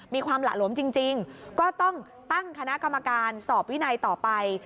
หละหลวมจริงก็ต้องตั้งคณะกรรมการสอบวินัยต่อไป